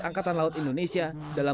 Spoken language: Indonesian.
angkatan laut indonesia dalam